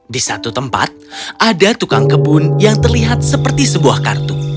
di satu tempat ada tukang kebun yang terlihat seperti sebuah kartu